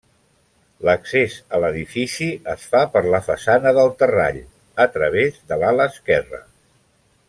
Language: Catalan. L'accés a l'edifici es fa per la façana del Terrall, a través de l'ala esquerra.